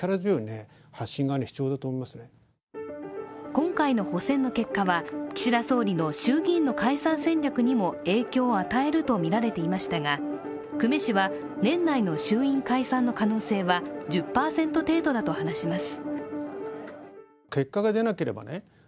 今回の補選の結果は岸田総理の衆議院の解散戦略にも影響を与えるとみられていましたが、久米氏は、年内の衆院解散の可能性は１０％程度だと話します。